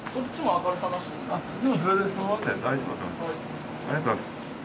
ありがとうございます。